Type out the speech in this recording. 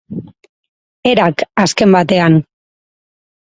Erak, azken batean.